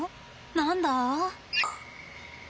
何だ？